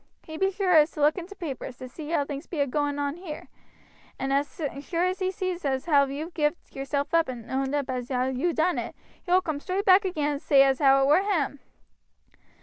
He be sure to look in t' papers, to see how things be a going on here; and as sure as he sees as how you've gived yourself up and owed up as you ha' done it, he will coom straight back again and say as how it were him."